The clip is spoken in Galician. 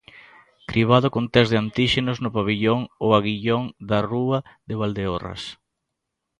Cribado con tests de antíxenos no pavillón O Aguillón da Rúa de Valdeorras.